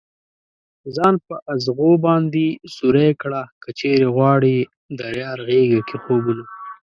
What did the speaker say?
ځان په ازغو باندې سوری كړه كه چېرې غواړې ديار غېږه كې خوبونه